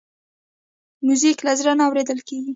موزیک له زړه نه اورېدل کېږي.